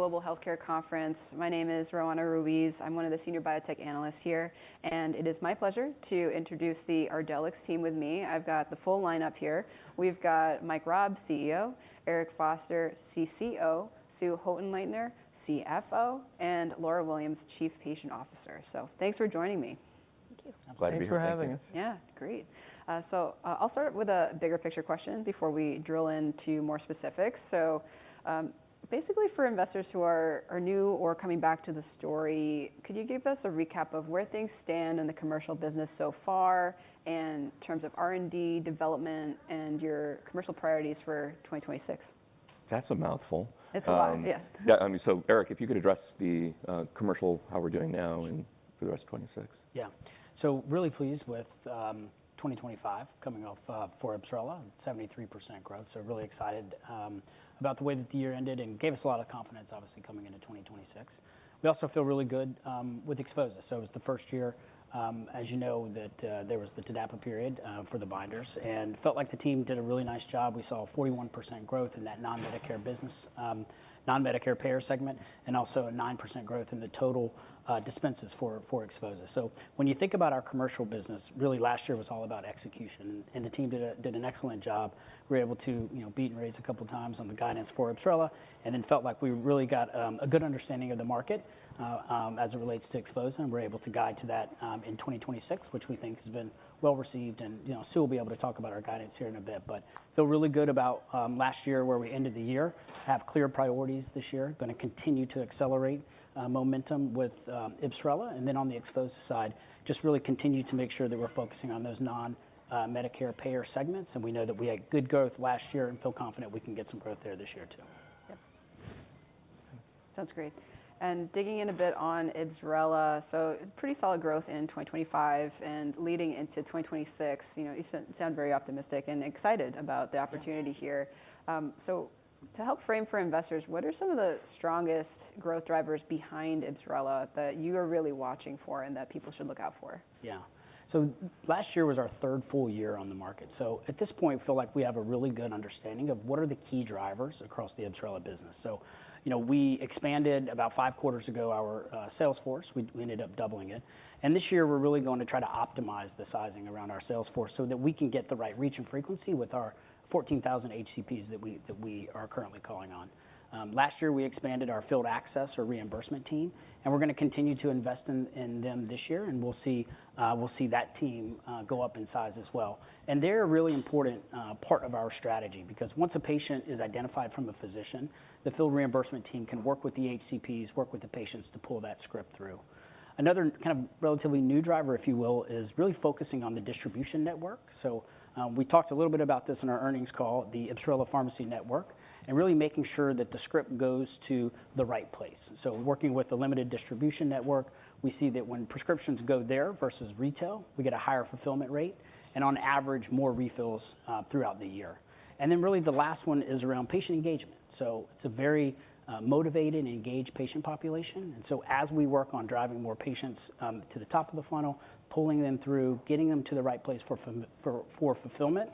Global Healthcare Conference. My name is Roanna Ruiz. I'm one of the Senior Biotech Analysts here, and it is my pleasure to introduce the Ardelyx team with me. I've got the full lineup here. We've got Mike Raab, CEO, Eric Foster, CCO, Sue Hohenleitner, CFO, and Laura Williams, Chief Patient Officer. Thanks for joining me. Thank you. I'm glad to be here. Thank you. Thanks for having us. Yeah. Great. I'll start with a bigger picture question before we drill into more specifics. Basically for investors who are new or coming back to the story, could you give us a recap of where things stand in the commercial business so far in terms of R&D development and your commercial priorities for 2026? That's a mouthful. It's a lot, yeah. Yeah. I mean, Eric, if you could address the commercial, how we're doing now and for the rest of 2026. Yeah. Really pleased with 2025 coming off for IBSRELA, 73% growth. Really excited about the way that the year ended and gave us a lot of confidence obviously coming into 2026. We also feel really good with XPHOZAH. It was the first year, as you know, that there was the TDAPA period for the binders, and felt like the team did a really nice job. We saw 41% growth in that Non-Medicare business, Non-Medicare payer segment, and also a 9% growth in the total dispenses for XPHOZAH. When you think about our commercial business, really last year was all about execution and the team did an excellent job. We're able to, you know, beat and raise a couple times on the guidance for IBSRELA, and then felt like we really got a good understanding of the market as it relates to XPHOZAH, and we're able to guide to that in 2026, which we think has been well-received. You know, Sue will be able to talk about our guidance here in a bit. Feel really good about last year, where we ended the year, have clear priorities this year, gonna continue to accelerate momentum with IBSRELA. Then on the XPHOZAH side, just really continue to make sure that we're focusing on those Non-Medicare payer segments, and we know that we had good growth last year and feel confident we can get some growth there this year too. Yep. Sounds great. Digging in a bit on IBSRELA, so pretty solid growth in 2025 and leading into 2026. You know, you sound very optimistic and excited about the opportunity here. So to help frame for investors, what are some of the strongest growth drivers behind IBSRELA that you are really watching for and that people should look out for? Yeah. Last year was our third full year on the market. At this point, feel like we have a really good understanding of what are the key drivers across the IBSRELA business. You know, we expanded about five quarters ago, our sales force. We ended up doubling it. This year we're really going to try to optimize the sizing around our sales force so that we can get the right reach and frequency with our 14,000 HCPs that we are currently calling on. Last year we expanded our field access or reimbursement team, and we're gonna continue to invest in them this year, and we'll see that team go up in size as well. They're a really important part of our strategy, because once a patient is identified from the physician, the field reimbursement team can work with the HCPs, work with the patients to pull that script through. Another kind of relatively new driver, if you will, is really focusing on the distribution network. We talked a little bit about this in our earnings call, the IBSRELA Pharmacy Network, and really making sure that the script goes to the right place. Working with the limited distribution network, we see that when prescriptions go there versus retail, we get a higher fulfillment rate and on average more refills throughout the year. Then really the last one is around patient engagement. It's a very motivated and engaged patient population. As we work on driving more patients to the top of the funnel, pulling them through, getting them to the right place for fulfillment,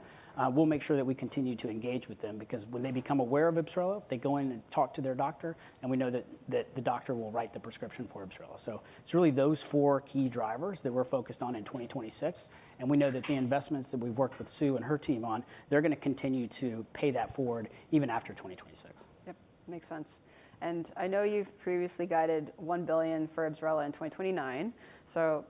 we'll make sure that we continue to engage with them because when they become aware of IBSRELA, they go in and talk to their doctor, and we know that the doctor will write the prescription for IBSRELA. It's really those four key drivers that we're focused on in 2026, and we know that the investments that we've worked with Sue and her team on, they're gonna continue to pay that forward even after 2026. Yep. Makes sense. I know you've previously guided $1 billion for IBSRELA in 2029.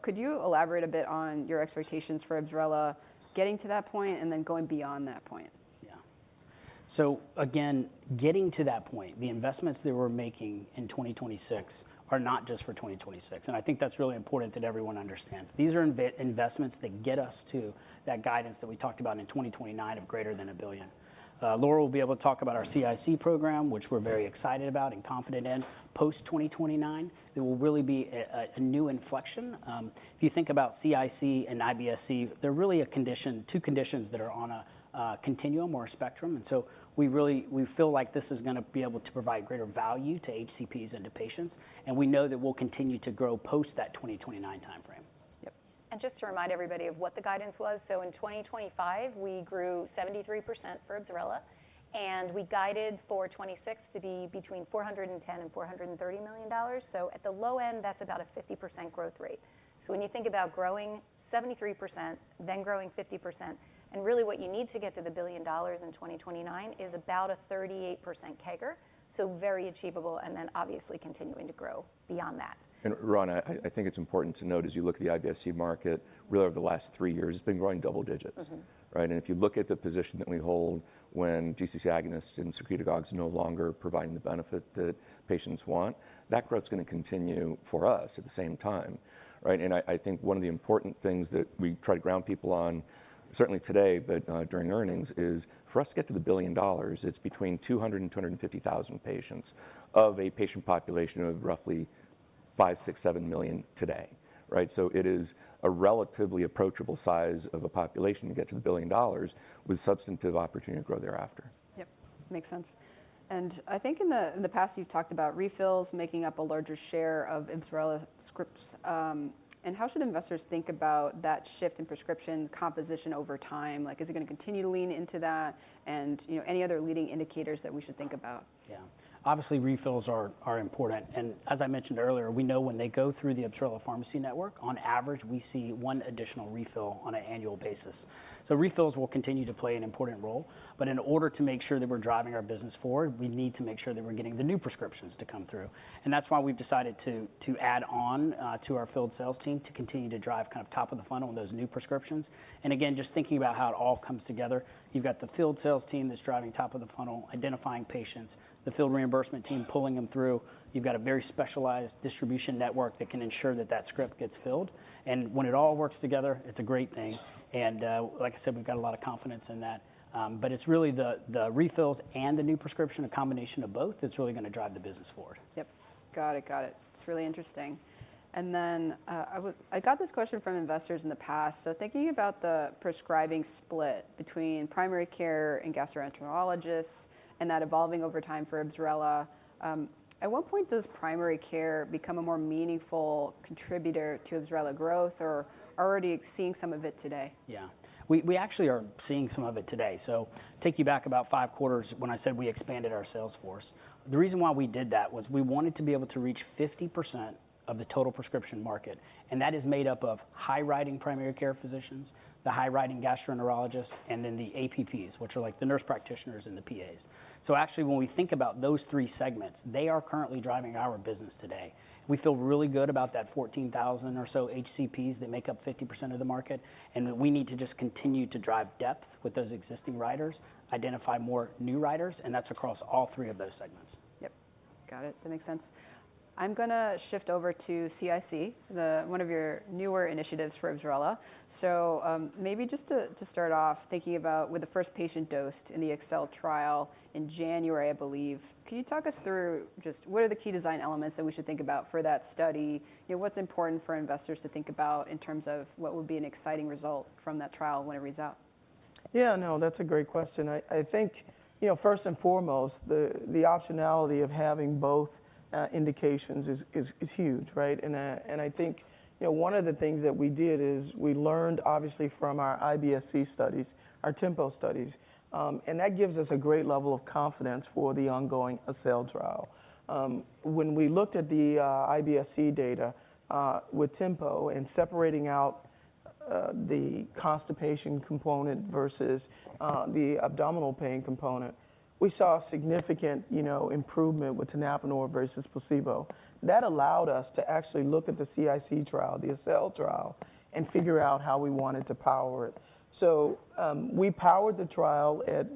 Could you elaborate a bit on your expectations for IBSRELA getting to that point and then going beyond that point? Yeah. Again, getting to that point, the investments that we're making in 2026 are not just for 2026, and I think that's really important that everyone understands. These are investments that get us to that guidance that we talked about in 2029 of greater than $1 billion. Laura will be able to talk about our CIC program, which we're very excited about and confident in. Post 2029, there will really be a new inflection. If you think about CIC and IBS-C, they're really a condition, two conditions that are on a continuum or a spectrum. We really feel like this is gonna be able to provide greater value to HCPs and to patients, and we know that we'll continue to grow post that 2029 timeframe. Yep. Just to remind everybody of what the guidance was. In 2025, we grew 73% for IBSRELA, and we guided for 2026 to be between $410 million and $430 million. At the low end, that's about a 50% growth rate. When you think about growing 73%, then growing 50%, and really what you need to get to $1 billion in 2029 is about a 38% CAGR. Very achievable, and then obviously continuing to grow beyond that. Roanna, I think it's important to note as you look at the IBS-C market, really over the last three years, it's been growing double digits. Mm-hmm. Right? If you look at the position that we hold when GC-C agonists and secretagogues no longer providing the benefit that patients want, that growth's gonna continue for us at the same time, right? I think one of the important things that we try to ground people on, certainly today, but during earnings, is for us to get to the $1 billion, it's between 200 and 250 thousand patients of a patient population of roughly 5 million-7 million today, right? It is a relatively approachable size of a population to get to the $1 billion with substantive opportunity to grow thereafter. Yep. Makes sense. I think in the past you've talked about refills making up a larger share of IBSRELA scripts. How should investors think about that shift in prescription composition over time? Like, is it gonna continue to lean into that? You know, any other leading indicators that we should think about? Yeah. Obviously, refills are important. As I mentioned earlier, we know when they go through the IBSRELA pharmacy network, on average, we see one additional refill on an annual basis. Refills will continue to play an important role, but in order to make sure that we're driving our business forward, we need to make sure that we're getting the new prescriptions to come through. That's why we've decided to add on to our field sales team to continue to drive kind of top of the funnel on those new prescriptions. Again, just thinking about how it all comes together, you've got the field sales team that's driving top of the funnel, identifying patients, the field reimbursement team pulling them through. You've got a very specialized distribution network that can ensure that that script gets filled. When it all works together, it's a great thing. Like I said, we've got a lot of confidence in that. It's really the refills and the new prescription, a combination of both, that's really gonna drive the business forward. Yep. Got it. It's really interesting. I got this question from investors in the past. Thinking about the prescribing split between primary care and gastroenterologists and that evolving over time for IBSRELA, at what point does primary care become a more meaningful contributor to IBSRELA growth or already seeing some of it today? Yeah. We actually are seeing some of it today. Take you back about five quarters when I said we expanded our sales force. The reason why we did that was we wanted to be able to reach 50% of the total prescription market, and that is made up of high prescribing primary care physicians, the high prescribing Gastroenterologists, and then the APPs, which are like the nurse practitioners and the PAs. Actually when we think about those three segments, they are currently driving our business today. We feel really good about that 14,000 or so HCPs that make up 50% of the market, and that we need to just continue to drive depth with those existing prescribers, identify more new prescribers, and that's across all three of those segments. Yep. Got it. That makes sense. I'm gonna shift over to CIC, one of your newer initiatives for IBSRELA. Maybe just to start off thinking about with the first patient dosed in the EXCEL trial in January, I believe. Can you talk us through just what are the key design elements that we should think about for that study? You know, what's important for investors to think about in terms of what would be an exciting result from that trial when it reads out? Yeah, no, that's a great question. I think, you know, first and foremost, the optionality of having both indications is huge, right? I think, you know, one of the things that we did is we learned obviously from our IBS-C studies, our T3MPO studies, and that gives us a great level of confidence for the ongoing EXCEL trial. When we looked at the IBS-C data with tenapanor and separating out the constipation component versus the abdominal pain component, we saw significant, you know, improvement with tenapanor versus placebo. That allowed us to actually look at the CIC trial, the EXCEL trial, and figure out how we wanted to power it. We powered the trial at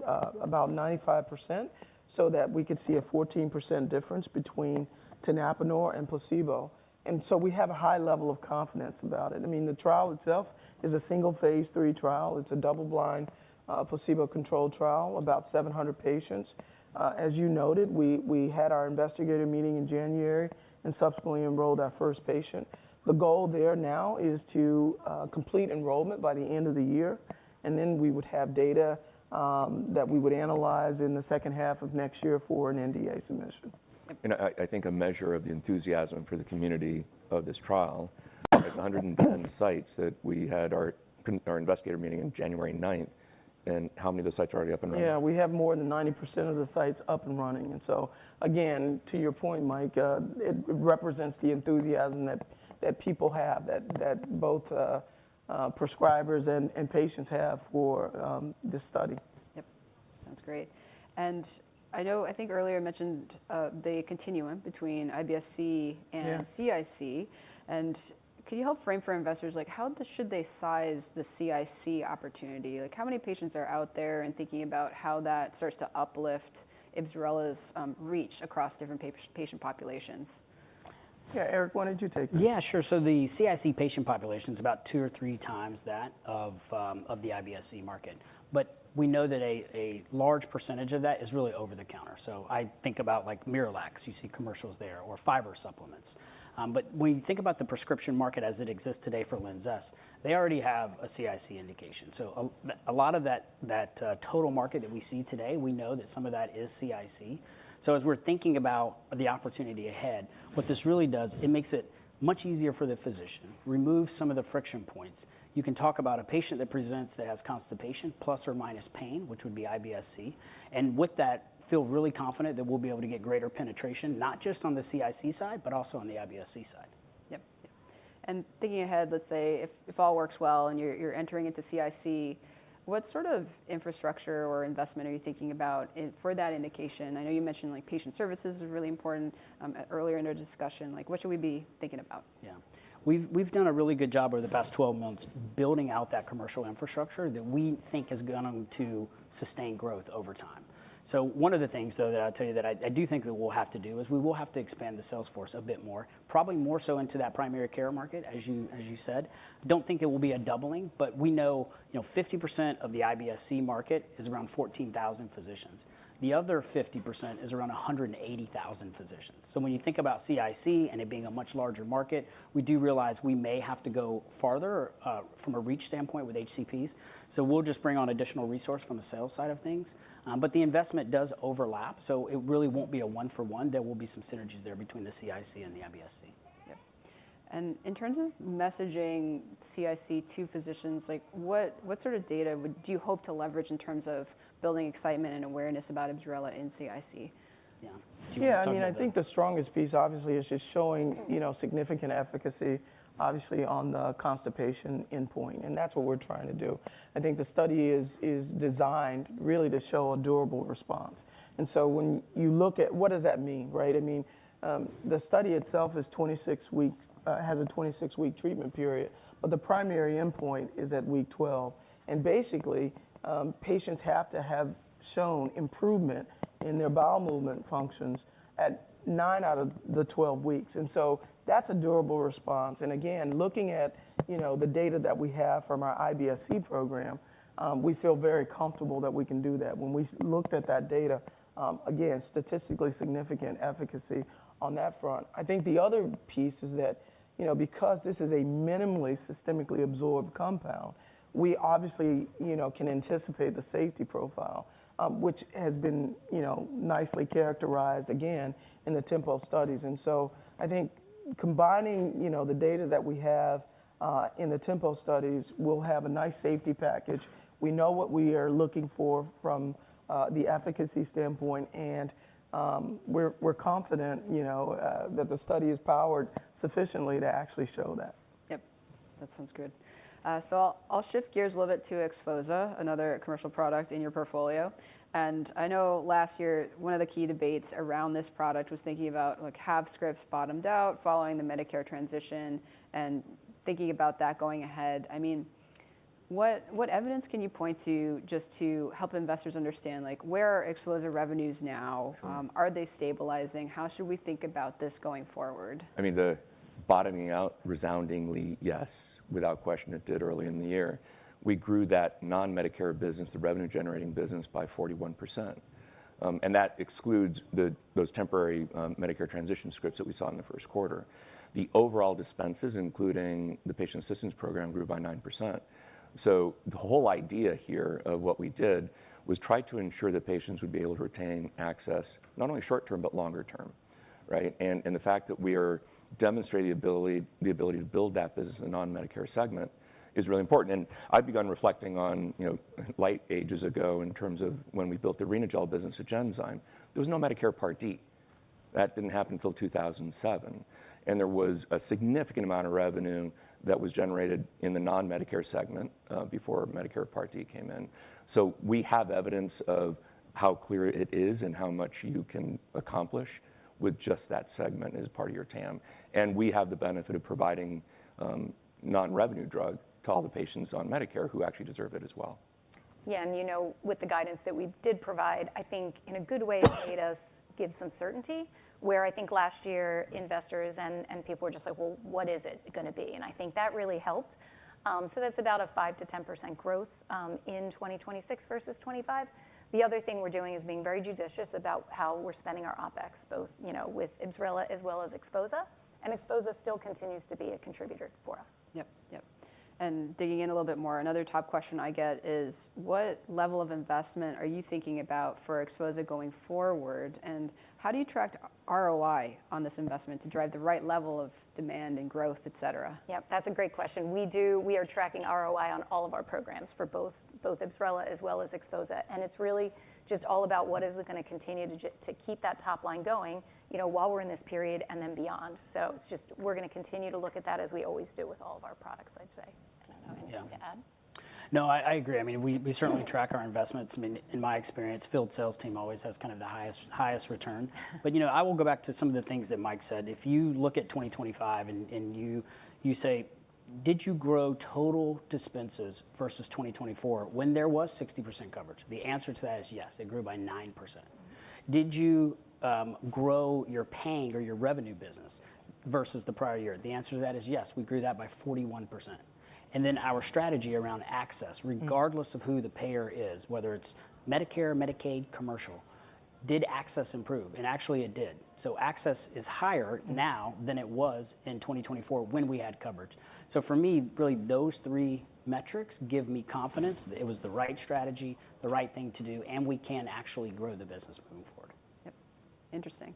about 95% so that we could see a 14% difference between tenapanor and placebo, and so we have a high level of confidence about it. I mean, the trial itself is a single Phase III trial. It's a double-blind, placebo-controlled trial, about 700 patients. As you noted, we had our investigative meeting in January and subsequently enrolled our first patient. The goal there now is to complete enrollment by the end of the year, and then we would have data that we would analyze in the second half of next year for an NDA submission. I think a measure of the enthusiasm for the community of this trial is 110 sites that we had our investigator meeting on January ninth. How many of those sites are already up and running? Yeah. We have more than 90% of the sites up and running. Again, to your point, Mike, it represents the enthusiasm that both prescribers and patients have for this study. Yep. Sounds great. I know, I think earlier I mentioned, the continuum between IBS-C and- Yeah. CIC, could you help frame for investors, like how they should size the CIC opportunity? Like, how many patients are out there and thinking about how that starts to uplift IBSRELA's reach across different patient populations? Yeah. Eric, why don't you take this? Yeah, sure. The CIC patient population is about two or three times that of the IBS-C market. We know that a large percentage of that is really over the counter. I think about like MiraLAX, you see commercials there, or fiber supplements. When you think about the prescription market as it exists today for LINZESS, they already have a CIC indication. A lot of that total market that we see today, we know that some of that is CIC. As we're thinking about the opportunity ahead, what this really does, it makes it much easier for the physician, removes some of the friction points. You can talk about a patient that presents that has constipation plus or minus pain, which would be IBS-C. With that, feel really confident that we'll be able to get greater penetration, not just on the CIC side, but also on the IBS-C side. Yep. Thinking ahead, let's say if all works well and you're entering into CIC, what sort of infrastructure or investment are you thinking about in for that indication? I know you mentioned like patient services is really important earlier in our discussion, like what should we be thinking about? Yeah. We've done a really good job over the past 12 months building out that commercial infrastructure that we think is going to sustain growth over time. One of the things though that I'll tell you that I do think that we'll have to do is we will have to expand the sales force a bit more, probably more so into that primary care market, as you said. I don't think it will be a doubling, but we know, you know, 50% of the IBS-C market is around 14,000 physicians. The other 50% is around 180,000 physicians. When you think about CIC and it being a much larger market, we do realize we may have to go farther from a reach standpoint with HCPs. We'll just bring on additional resource from the sales side of things. The investment does overlap, so it really won't be a one for one. There will be some synergies there between the CIC and the IBS-C. Yep. In terms of messaging CIC to physicians, like what sort of data do you hope to leverage in terms of building excitement and awareness about IBSRELA in CIC? Yeah. Do you want to talk about? Yeah, I mean, I think the strongest piece obviously is just showing. Mm-hmm you know, significant efficacy, obviously on the constipation endpoint, and that's what we're trying to do. I think the study is designed really to show a durable response. When you look at what does that mean, right? I mean, the study itself has a 26-week treatment period, but the primary endpoint is at week 12. Basically, patients have to have shown improvement in their bowel movement functions at nine out of the 12 weeks. That's a durable response. Again, looking at, you know, the data that we have from our IBS-C program, we feel very comfortable that we can do that. When we looked at that data, again, statistically significant efficacy on that front. I think the other piece is that, you know, because this is a minimally systemically absorbed compound, we obviously, you know, can anticipate the safety profile, which has been, you know, nicely characterized again in the T3MPO studies. I think combining, you know, the data that we have in the T3MPO studies will have a nice safety package. We know what we are looking for from the efficacy standpoint and, we're confident, you know, that the study is powered sufficiently to actually show that. Yep. That sounds good. So I'll shift gears a little bit to XPHOZAH, another commercial product in your portfolio. I know last year one of the key debates around this product was thinking about like, have scripts bottomed out following the Medicare transition and thinking about that going ahead. I mean, what evidence can you point to just to help investors understand, like where are XPHOZAH revenues now? Sure. Are they stabilizing? How should we think about this going forward? I mean, the bottoming out resoundingly, yes, without question, it did early in the year. We grew that Non-Medicare business, the revenue generating business, by 41%. And that excludes those temporary Medicare transition scripts that we saw in the first quarter. The overall dispenses, including the patient assistance program, grew by 9%. The whole idea here of what we did was try to ensure that patients would be able to retain access, not only short term, but longer term, right? The fact that we are demonstrating the ability to build that business in Non-Medicare segment is really important. I've begun reflecting on, you know, light years ago in terms of when we built the Renagel business at Genzyme. There was no Medicare Part D. That didn't happen until 2007. There was a significant amount of revenue that was generated in the Non-Medicare segment before Medicare Part D came in. We have evidence of how clear it is and how much you can accomplish with just that segment as part of your TAM. We have the benefit of providing non-revenue drug to all the patients on Medicare who actually deserve it as well. Yeah. You know, with the guidance that we did provide, I think in a good way it made us give some certainty, where I think last year investors and people were just like, "Well, what is it gonna be?" I think that really helped. That's about a 5%-10% growth in 2026 versus 2025. The other thing we're doing is being very judicious about how we're spending our OpEx, both, you know, with IBSRELA as well as XPHOZAH. XPHOZAH still continues to be a contributor for us. Yep. Yep. Digging in a little bit more, another top question I get is. What level of investment are you thinking about for XPHOZAH going forward, and how do you track ROI on this investment to drive the right level of demand and growth, et cetera? Yep, that's a great question. We are tracking ROI on all of our programs for both IBSRELA as well as XPHOZAH, and it's really just all about what it's gonna take to keep that top line going, you know, while we're in this period and then beyond. It's just, we're gonna continue to look at that as we always do with all of our products, I'd say. I don't know, anything you can add. No, I agree. I mean, we certainly track our investments. I mean, in my experience, field sales team always has kind of the highest return. You know, I will go back to some of the things that Mike said. If you look at 2025 and you say, "Did you grow total dispenses versus 2024 when there was 60% coverage?" The answer to that is yes, it grew by 9%. Mm-hmm. Did you grow your patient or your revenue business versus the prior year? The answer to that is yes, we grew that by 41%. Then our strategy around access. Mm-hmm Regardless of who the payer is, whether it's Medicare, Medicaid, commercial, did access improve? Actually it did. Access is higher now than it was in 2024 when we had coverage. For me, really those three metrics give me confidence that it was the right strategy, the right thing to do, and we can actually grow the business moving forward. Yep. Interesting.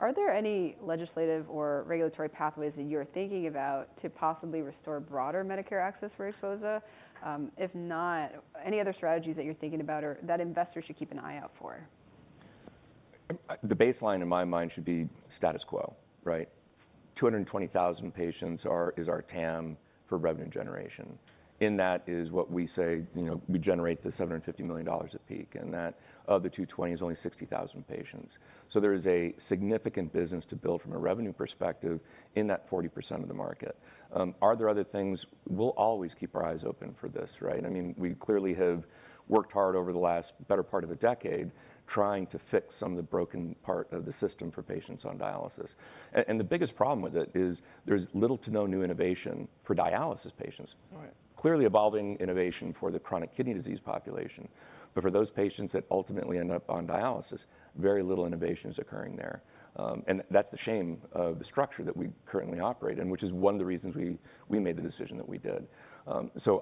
Are there any legislative or regulatory pathways that you're thinking about to possibly restore broader Medicare access for XPHOZAH? If not, any other strategies that you're thinking about or that investors should keep an eye out for? The baseline in my mind should be status quo, right? 220,000 patients is our TAM for revenue generation. In that is what we say, you know, we generate $750 million at peak, and that of the 220 is only 60,000 patients. So there is a significant business to build from a revenue perspective in that 40% of the market. Are there other things? We'll always keep our eyes open for this, right? I mean, we clearly have worked hard over the last better part of a decade trying to fix some of the broken part of the system for patients on dialysis. And the biggest problem with it is there's little to no new innovation for dialysis patients. Right. Clearly evolving innovation for the chronic kidney disease population. For those patients that ultimately end up on dialysis, very little innovation is occurring there. That's the shame of the structure that we currently operate in, which is one of the reasons we made the decision that we did.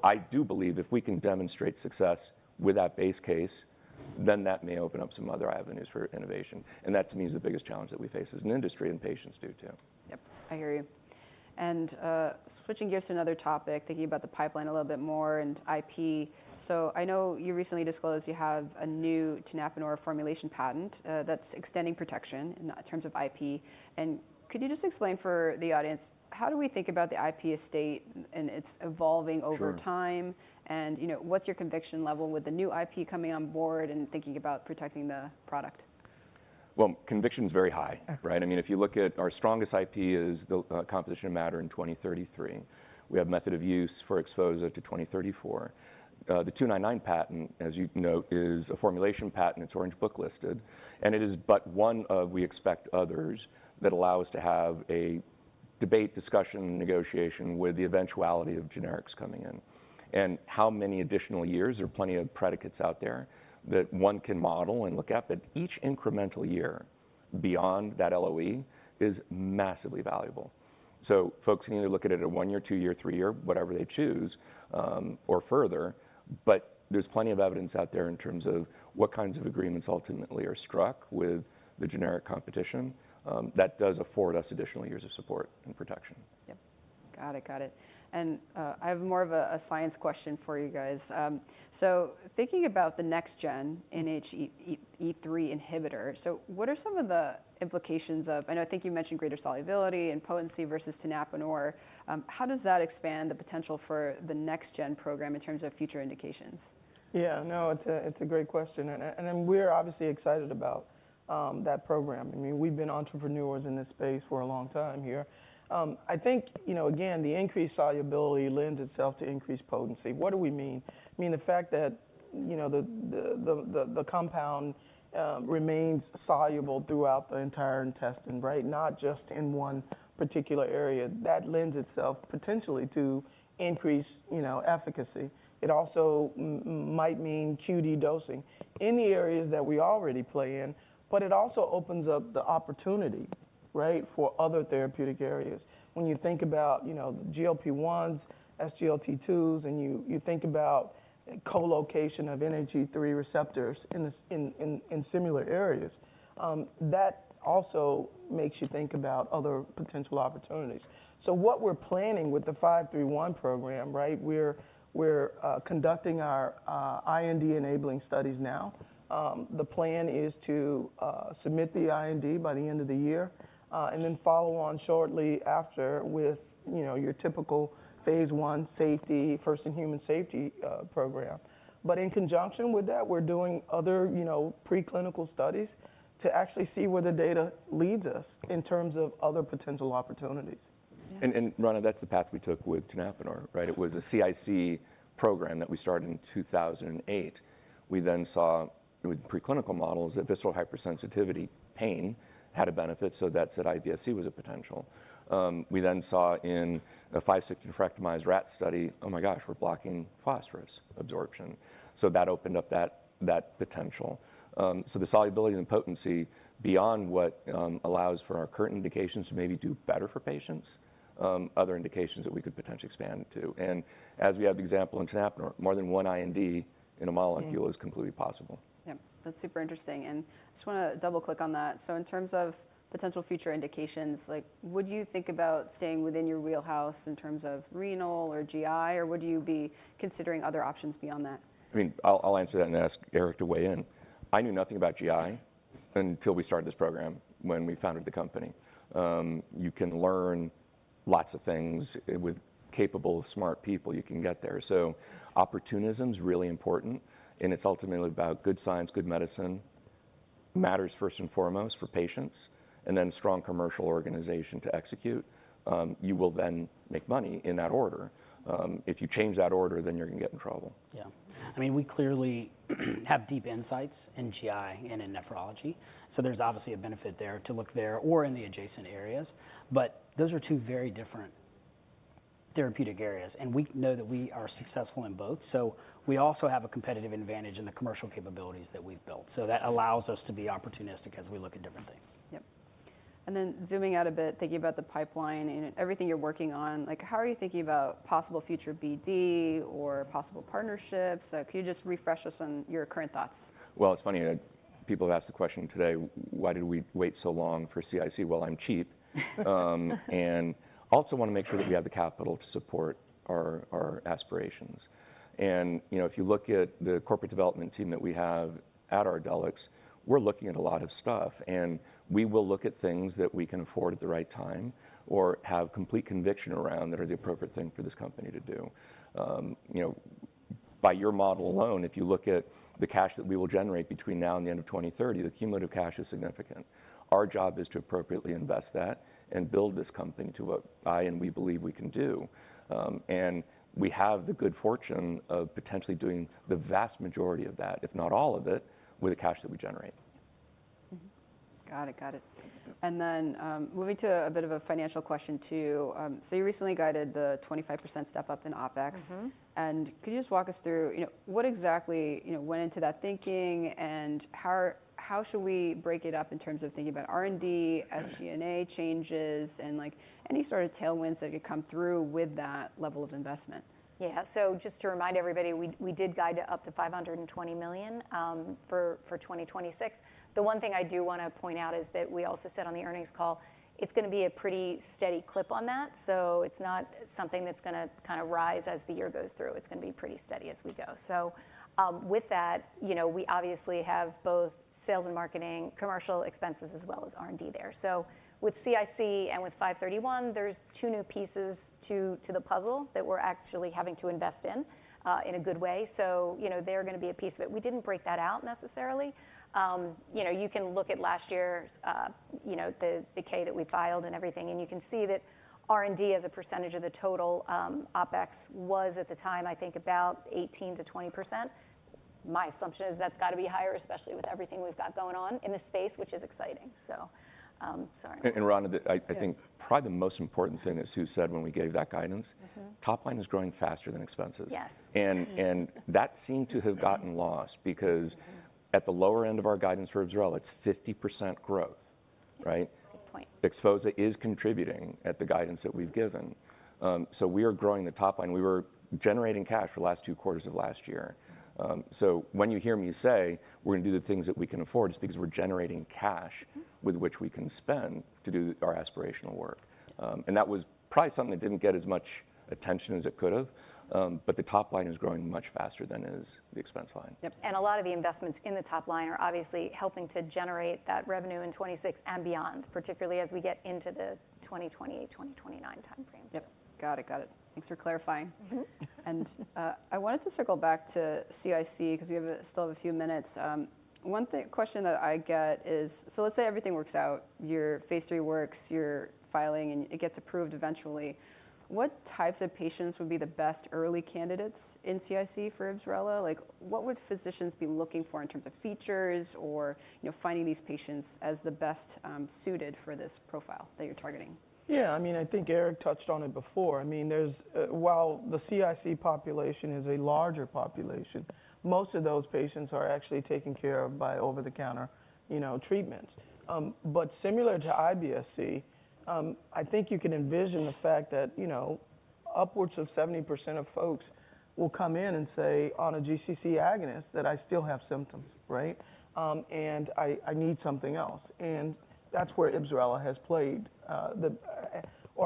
I do believe if we can demonstrate success with that base case, then that may open up some other avenues for innovation. That to me is the biggest challenge that we face as an industry, and patients do too. Yep, I hear you. Switching gears to another topic, thinking about the pipeline a little bit more and IP. I know you recently disclosed you have a new tenapanor formulation patent, that's extending protection in terms of IP. Could you just explain for the audience, how do we think about the IP estate and its evolving over time? Sure. You know, what's your conviction level with the new IP coming on board and thinking about protecting the product? Well, conviction's very high, right? Okay. I mean, if you look at our strongest IP is the composition of matter in 2033. We have method of use for exposure to 2034. The 299 patent, as you note, is a formulation patent. It's Orange Book listed, and it is but one of, we expect others that allow us to have a debate, discussion, negotiation with the eventuality of generics coming in. How many additional years or plenty of predicates out there that one can model and look at, but each incremental year beyond that LOE is massively valuable. So folks can either look at it a 1-year, 2-year, 3-year, whatever they choose, or further, but there's plenty of evidence out there in terms of what kinds of agreements ultimately are struck with the generic competition that does afford us additional years of support and protection. Yep. Got it. Got it. I have more of a science question for you guys. Thinking about the next gen NHE3 inhibitor, what are some of the implications, and I think you mentioned greater solubility and potency versus tenapanor. How does that expand the potential for the next gen program in terms of future indications? Yeah, no, it's a great question. We're obviously excited about that program. I mean, we've been entrepreneurs in this space for a long time here. I think, you know, again, the increased solubility lends itself to increased potency. What do we mean? I mean, the fact that, you know, the compound remains soluble throughout the entire intestine, right? Not just in one particular area. That lends itself potentially to increased, you know, efficacy. It also might mean QD dosing in the areas that we already play in, but it also opens up the opportunity, right, for other therapeutic areas. When you think about, you know, GLP-1s, SGLT2s, and you think about colocation of NHE3 receptors in similar areas, that also makes you think about other potential opportunities. What we're planning with the five three one program, right, we're conducting our IND enabling studies now. The plan is to submit the IND by the end of the year, and then follow on shortly after with, you know, your typical phase one safety, first in human safety program. In conjunction with that, we're doing other, you know, preclinical studies to actually see where the data leads us in terms of other potential opportunities. Yeah. Roanna, that's the path we took with tenapanor, right? It was a CIC program that we started in 2008. We then saw with preclinical models that visceral hypersensitivity pain had a benefit, so that said IBS-C was a potential. We then saw in a 5/6 nephrectomized rat study, oh my gosh, we're blocking phosphorus absorption. So that opened up that potential. So the solubility and potency beyond what allows for our current indications to maybe do better for patients, other indications that we could potentially expand into. As we have the example in tenapanor, more than one IND in a molecule is completely possible. That's super interesting. Just wanna double click on that. In terms of potential future indications, like would you think about staying within your wheelhouse in terms of renal or GI, or would you be considering other options beyond that? I mean, I'll answer that and ask Eric to weigh in. I knew nothing about GI until we started this program when we founded the company. You can learn lots of things with capable, smart people. You can get there. Opportunism is really important, and it's ultimately about good science, good medicine matters first and foremost for patients, and then strong commercial organization to execute. You will then make money in that order. If you change that order, then you're gonna get in trouble. Yeah. I mean, we clearly have deep insights in GI and in nephrology, so there's obviously a benefit there to look there or in the adjacent areas. But those are two very different therapeutic areas, and we know that we are successful in both. So we also have a competitive advantage in the commercial capabilities that we've built. So that allows us to be opportunistic as we look at different things. Yep. Zooming out a bit, thinking about the pipeline and everything you're working on, like how are you thinking about possible future BD or possible partnerships? Can you just refresh us on your current thoughts? Well, it's funny, people have asked the question today, why did we wait so long for CIC? Well, I'm cheap. Also wanna make sure that we have the capital to support our aspirations. You know, if you look at the corporate development team that we have at Ardelyx, we're looking at a lot of stuff, and we will look at things that we can afford at the right time or have complete conviction around that are the appropriate thing for this company to do. You know, by your model alone, if you look at the cash that we will generate between now and the end of 2030, the cumulative cash is significant. Our job is to appropriately invest that and build this company to what I and we believe we can do. We have the good fortune of potentially doing the vast majority of that, if not all of it, with the cash that we generate. Got it. Moving to a bit of a financial question too. You recently guided the 25% step up in OpEx. Mm-hmm. Could you just walk us through, you know, what exactly, you know, went into that thinking and how should we break it up in terms of thinking about R&D? Right SG&A changes and, like, any sort of tailwinds that could come through with that level of investment? Yeah. Just to remind everybody, we did guide up to $520 million for 2026. The one thing I do wanna point out is that we also said on the earnings call, it's gonna be a pretty steady clip on that, so it's not something that's gonna kinda rise as the year goes through. It's gonna be pretty steady as we go. With that, you know, we obviously have both sales and marketing, commercial expenses as well as R&D there. With CIC and with 531, there's two new pieces to the puzzle that we're actually having to invest in a good way. You know, they're gonna be a piece of it. We didn't break that out necessarily. You know, you can look at last year's you know, the 10-K that we filed and everything, and you can see that R&D as a percentage of the total OpEx was, at the time, I think about 18%-20%. My assumption is that's gotta be higher, especially with everything we've got going on in the space, which is exciting. Sorry. Roanna, I think probably the most important thing, as Sue Hohenleitner said when we gave that guidance. Mm-hmm Top line is growing faster than expenses. Yes. That seemed to have gotten lost because at the lower end of our guidance for IBSRELA, it's 50% growth, right? Good point. XPHOZAH is contributing at the guidance that we've given. We are growing the top line. We were generating cash for the last two quarters of last year. When you hear me say we're gonna do the things that we can afford, it's because we're generating cash. Mm-hmm With which we can spend to do our aspirational work. That was probably something that didn't get as much attention as it could've, the top line is growing much faster than is the expense line. Yep. A lot of the investments in the top line are obviously helping to generate that revenue in 2026 and beyond, particularly as we get into the 2027, 2028, 2029 timeframe. Yep. Got it. Thanks for clarifying. Mm-hmm. I wanted to circle back to CIC 'cause we still have a few minutes. One thing, question that I get is, so let's say everything works out, your Phase III works, you're filing and it gets approved eventually. What types of patients would be the best early candidates in CIC for IBSRELA? Like, what would physicians be looking for in terms of features or, you know, finding these patients as the best suited for this profile that you're targeting? Yeah, I mean, I think Eric touched on it before. I mean, there's while the CIC population is a larger population, most of those patients are actually taken care of by over-the-counter, you know, treatments. Similar to IBS-C, I think you can envision the fact that, you know, upwards of 70% of folks will come in and say on a GC-C agonist that I still have symptoms, right? I need something else. That's where IBSRELA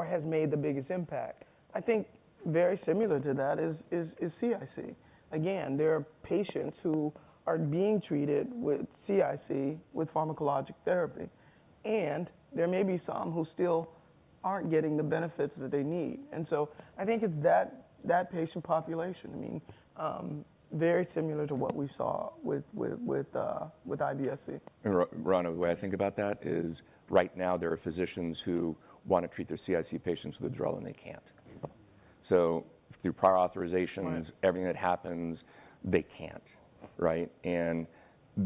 has made the biggest impact. I think very similar to that is CIC. Again, there are patients who are being treated with CIC with pharmacologic therapy, and there may be some who still aren't getting the benefits that they need. I think it's that patient population, I mean, very similar to what we saw with IBS-C. Roanna Ruiz, the way I think about that is right now there are physicians who wanna treat their CIC patients with IBSRELA and they can't. Through prior authorizations. Right Everything that happens, they can't, right?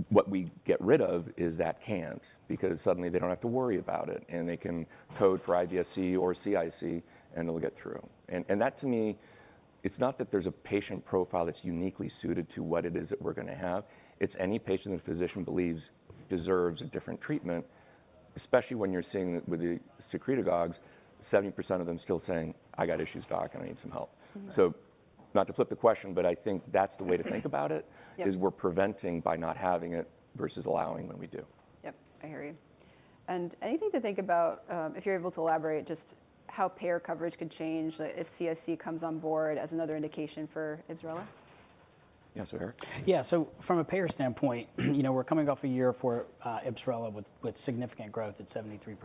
What we get rid of is that can't, because suddenly they don't have to worry about it, and they can code for IBS-C or CIC, and it'll get through. That to me, it's not that there's a patient profile that's uniquely suited to what it is that we're gonna have. It's any patient the physician believes deserves a different treatment, especially when you're seeing that with the secretagogues, 70% of them still saying, "I got issues, doc, and I need some help. Mm-hmm. Not to flip the question, but I think that's the way to think about it. Yep is we're preventing by not having it versus allowing when we do. Yep. I hear you. Anything to think about, if you're able to elaborate, just how payer coverage could change, like if CIC comes on board as another indication for IBSRELA? Yes, Eric? Yeah. From a payer standpoint, you know, we're coming off a year for IBSRELA with significant growth at 73%.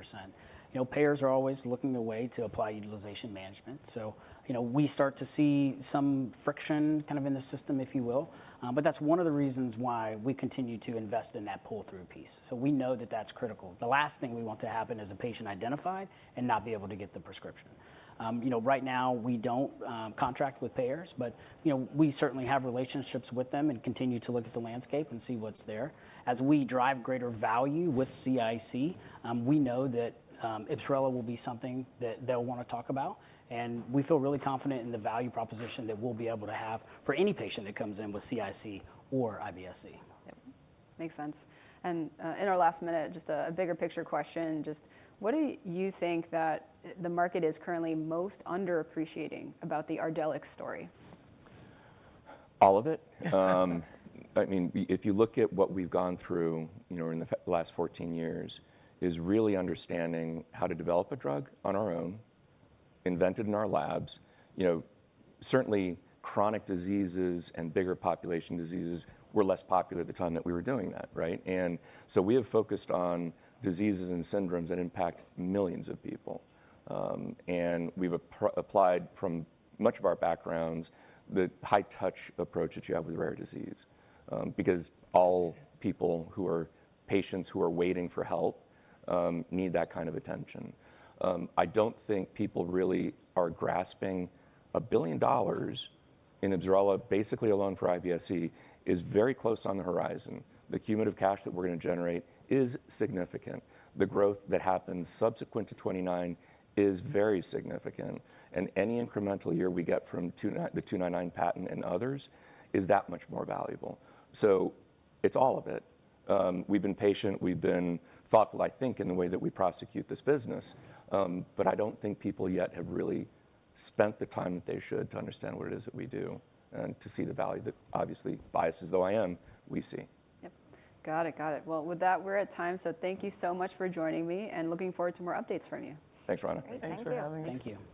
You know, payers are always looking for a way to apply utilization management, so, you know, we start to see some friction kind of in the system, if you will. That's one of the reasons why we continue to invest in that pull-through piece. We know that that's critical. The last thing we want to happen is a patient identified and not be able to get the prescription. You know, right now we don't contract with payers, but, you know, we certainly have relationships with them and continue to look at the landscape and see what's there. As we drive greater value with CIC, we know that IBSRELA will be something that they'll wanna talk about, and we feel really confident in the value proposition that we'll be able to have for any patient that comes in with CIC or IBS-C. Yep. Makes sense. In our last minute, just a bigger picture question, just what do you think that the market is currently most underappreciating about the Ardelyx story? All of it. I mean, if you look at what we've gone through, you know, in the last 14 years, is really understanding how to develop a drug on our own, invented in our labs. You know, certainly chronic diseases and bigger population diseases were less popular at the time that we were doing that, right? We have focused on diseases and syndromes that impact millions of people. We've applied from much of our backgrounds the high touch approach that you have with rare disease, because all people who are patients who are waiting for help need that kind of attention. I don't think people really are grasping $1 billion in IBSRELA, basically alone for IBS-C, is very close on the horizon. The cumulative cash that we're gonna generate is significant. The growth that happens subsequent to 29 is very significant. Any incremental year we get from the 299 patent and others is that much more valuable. It's all of it. We've been patient, we've been thoughtful, I think, in the way that we prosecute this business. I don't think people yet have really spent the time that they should to understand what it is that we do and to see the value that obviously, biased as though I am, we see. Yep. Got it. Well, with that, we're at time, so thank you so much for joining me and looking forward to more updates from you. Thanks, Roanna Ruiz. Great. Thanks, everyone. Thanks, Roanna. Thank you.